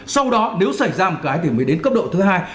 sau đó nếu xảy ra một cái thì mới đến cấp độ thứ hai